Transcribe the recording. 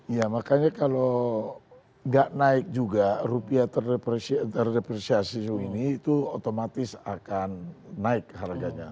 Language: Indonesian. ya makanya kalau nggak naik juga rupiah terdepresiasi ini itu otomatis akan naik harganya